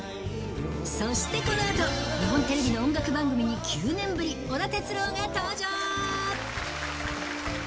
そしてこのあと、日本テレビの音楽番組に９年ぶり、織田哲郎が登場！